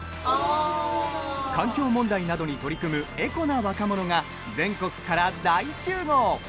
環境問題などに取り組むエコな若者が全国から大集合。